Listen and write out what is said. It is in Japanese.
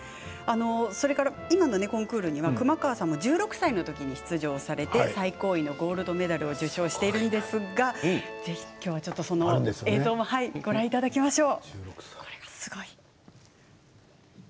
今のコンクールには熊川さんも１６歳の時に出場されて最高位のゴールドメダルを受賞されているんですがその映像もご覧いただきましょう。